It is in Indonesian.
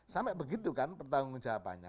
sampai begitu kan pertanggung jawabannya